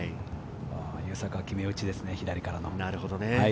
優作は決め打ちですね、左からの。